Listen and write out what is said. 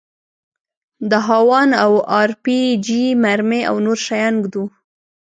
د هاوان او ار پي جي مرمۍ او نور شيان ږدو.